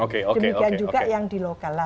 demikian juga yang di lokal lah